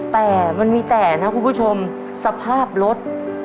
แต่มันมีแต่นะคุณผู้ชมสภาพรถ